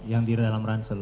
yang di dalam ransel